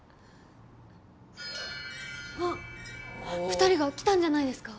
あ２人が来たんじゃないですか。